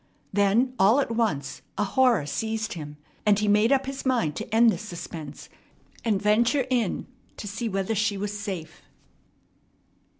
Then all at once a horror seized him, and he made up his mind to end this suspense and venture in to see whether she were safe.